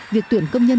việc tuyển công nhân